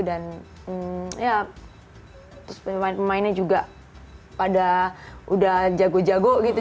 dan ya terus pemain pemainnya juga pada udah jago jago gitu